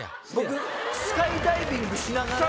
スカイダイビングしながら。